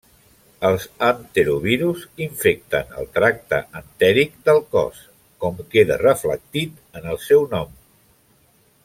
Els enterovirus infecten el tracte entèric del cos, com queda reflectit en el seu nom.